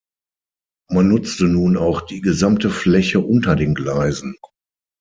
Man nutzte nun auch die gesamte Fläche unter den Gleisen.